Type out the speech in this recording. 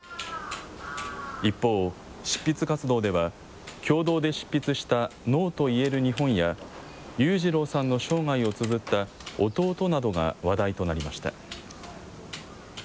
一方、執筆活動では共同で執筆したＮＯと言える日本や裕次郎さんの生涯をつづった弟などが話題となりました。